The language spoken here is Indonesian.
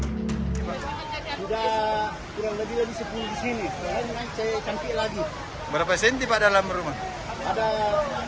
sudah kurang lebih sepuluh cm disini sekarang saya campur lagi